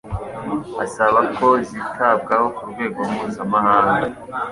asaba ko zitabwaho ku rwego mpuzamahanga.